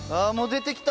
出てきた？